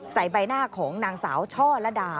ใส่ใบหน้าของนางสาวช่อละดา